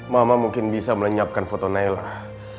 mama mungkin bisa melenyapkan foto nayla